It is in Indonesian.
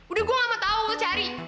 udah gue nggak mau tau lu cari